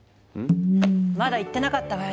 まだ言ってなかったわよね？